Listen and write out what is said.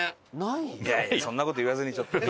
そんな事言わずにちょっと。